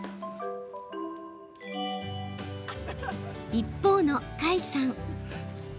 一方の花衣さん。